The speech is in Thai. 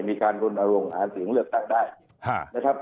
ในการลงหาเสียงเลือกตั้งได้นะครับ